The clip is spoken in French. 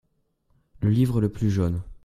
Le livre le plus jaune.